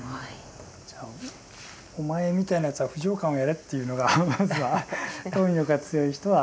じゃあお前みたいなやつは不浄観をやれっていうのがまずは貪欲が強い人は。